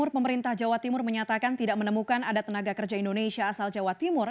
pemerintah jawa timur menyatakan tidak menemukan ada tenaga kerja indonesia asal jawa timur